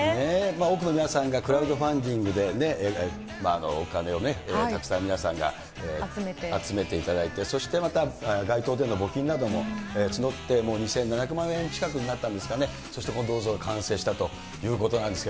多くの皆さんがクラウドファンディングでお金をたくさん皆さんが集めていただいて、そしてまた、街頭での募金なども募って、もう２７００万円近くになったんですかね、そしてこの銅像が完成したということなんですね。